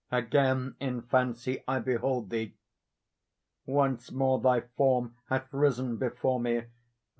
Again in fancy I behold thee! Once more thy form hath risen before me!